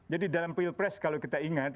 dalam pilpres kalau kita ingat